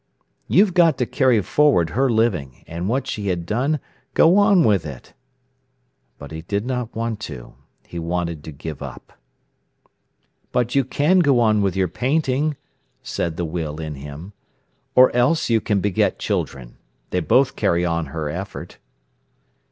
"You've got to carry forward her living, and what she had done, go on with it." But he did not want to. He wanted to give up. "But you can go on with your painting," said the will in him. "Or else you can beget children. They both carry on her effort."